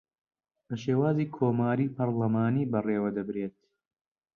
بە شێوازی کۆماریی پەرلەمانی بەڕێوەدەبردرێت